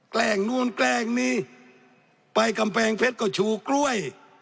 แกล้งนู่นแกล้งนี่ไปกำแพงเพชรก็ชูกล้วย